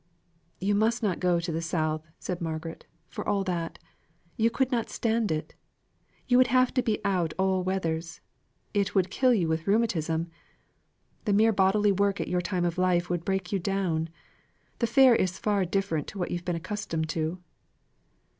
"You must not go the South," said Margaret, "for all that. You could not stand it. You would have to be out all weathers. It would kill you with rheumatism. The mere bodily work at your time of life would break you down. The fare is far different to what you have been accustomed to."